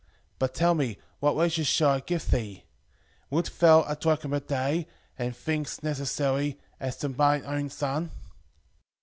5:14 But tell me, what wages shall I give thee? wilt thou a drachm a day, and things necessary, as to mine own son?